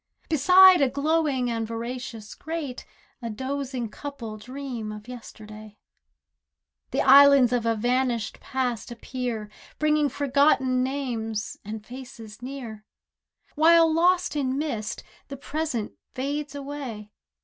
Beside a glowing and voracious grate A dozing couple dream of yesterday; The islands of a vanished past appear, Bringing forgotten names and faces near; While lost in mist, the present fades away.